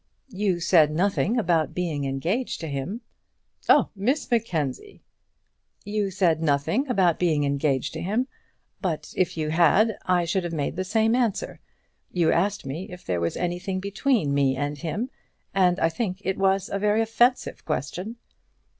"You said nothing about being engaged to him." "Oh, Miss Mackenzie!" "You said nothing about being engaged to him, but if you had I should have made the same answer. You asked me if there was anything between me and him; and I think it was a very offensive question."